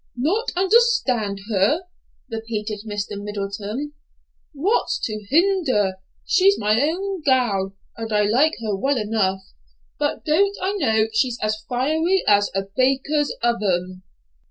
"Not understand her?" repeated Mr. Middleton. "What's to hinder? She's my own gal, and I like her well enough; but don't I know she's as fiery as a baker's oven?"